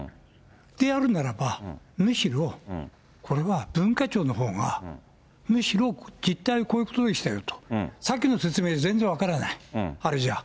であるならば、むしろ、これは文化庁のほうが、むしろ実態はこういうことでしたよと、さっきの説明じゃ全然分からない、あれじゃあ。